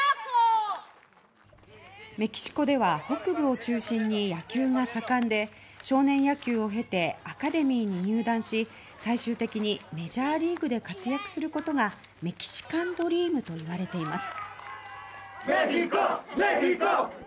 メキシコでは北部を中心に野球が盛んで少年野球を経てアカデミーに入団し最終的にメジャーリーグで活躍することがメキシカンドリームといわれています。